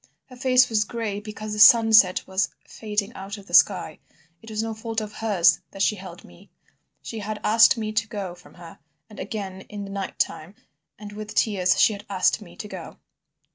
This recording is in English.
Her face was gray because the sunset was fading out of the sky. It was no fault of hers that she held me. She had asked me to go from her, and again in the night time and with tears she had asked me to go.